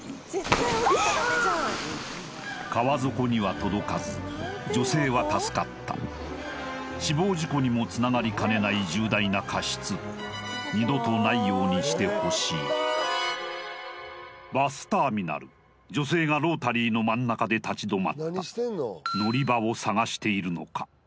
川底には届かず女性は助かった死亡事故にもつながりかねない重大な過失二度とないようにしてほしいバスターミナル女性がロータリーの真ん中で立ち止まった乗り場をさがしているのか？